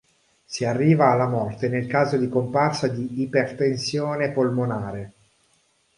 Si arriva alla morte nel caso di comparsa di ipertensione polmonare.